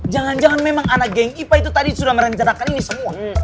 jangan jangan memang anak geng ipa itu tadi sudah merencanakan ini semua